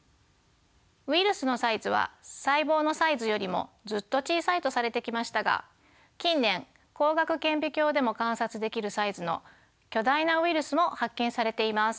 ウイルスのサイズは細胞のサイズよりもずっと小さいとされてきましたが近年光学顕微鏡でも観察できるサイズの巨大なウイルスも発見されています。